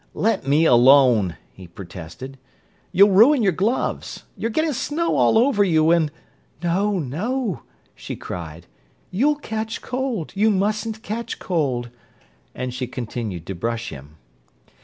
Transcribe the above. "Let me alone," he protested. "You'll ruin your gloves. You're getting snow all over you, and—" "No, no!" she cried. "You'll catch cold; you mustn't catch cold!" And she continued to brush him.